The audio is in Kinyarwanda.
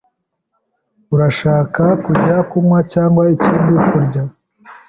Urashaka kujya kunywa cyangwa ikindi kurya?